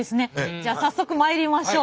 じゃあ早速まいりましょう。